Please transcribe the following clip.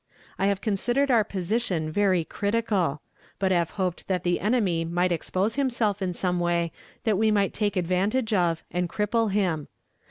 I have considered our position very critical; but have hoped that the enemy might expose himself in some way that we might take advantage of, and cripple him.